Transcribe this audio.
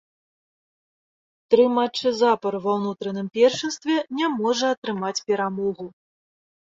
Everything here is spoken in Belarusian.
Тры матчы запар ва ўнутраным першынстве не можа атрымаць перамогу.